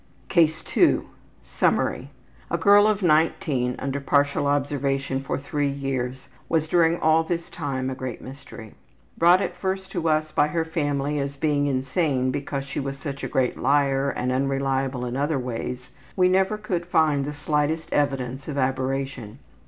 CASE 2 Summary: A girl of 19, under partial observation for three years, was during all this time a great mystery. Brought at first to us by her family as being insane because she was such a great liar and unreliable in other ways, we never could find the slightest evidence of aberration.